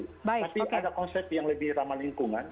tapi ada konsep yang lebih ramah lingkungan